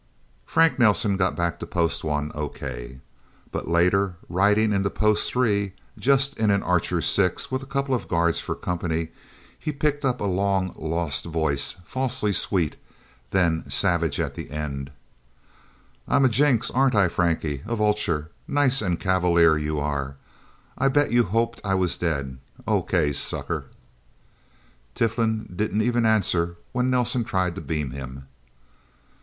Frank Nelsen got back to Post One, okay. But later, riding in to Post Three, just in an Archer Six, with a couple of guards for company, he picked up a long lost voice, falsely sweet, then savage at the end: "I'm a Jinx, aren't I, Frankie? A vulture. Nice and cavalier, you are. I bet you hoped I was dead. Okay Sucker...!" Tiflin didn't even answer when Nelsen tried to beam him.